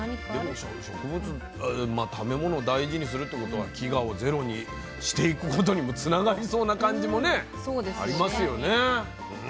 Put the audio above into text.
食べ物大事にするってことは飢餓をゼロにしていくことにもつながりそうな感じもありますよね。